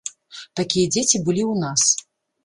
Такія дзеці былі ў нас.